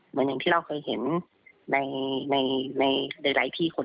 เหมือนอย่างที่เราเคยเห็นในหลายที่คน